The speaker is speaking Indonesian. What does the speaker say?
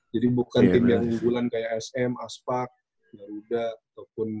jadi bukan tim yang keunggulan kayak sm aspak garuda ataupun